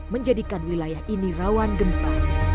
menjadikan wilayah ini rawan gempa